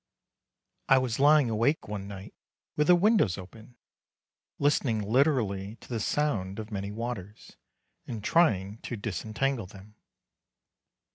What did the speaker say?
I was lying awake one night with the windows open, listening literally to the sound of many waters, and trying to disentangle them.